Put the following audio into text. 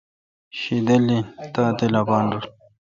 شدل این تاؘ تل اپان رل